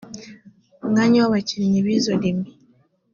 mwanya w abakinnyi b izo limi